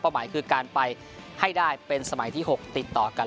หมายคือการไปให้ได้เป็นสมัยที่๖ติดต่อกัน